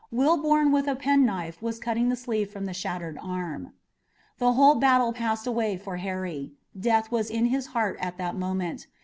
Wilbourn with a penknife was cutting the sleeve from the shattered arm. The whole battle passed away for Harry. Death was in his heart at that moment.